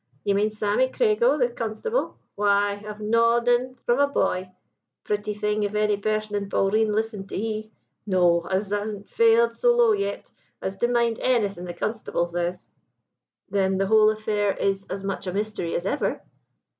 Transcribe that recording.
You mean Sammy Crego, the constable? Why, I've knawed en from a boy pretty thing if any person in Polreen listened to he! No: us han't failed so low yet as to mind anything the constable says.' "'Then the whole affair is as much a mystery as ever?'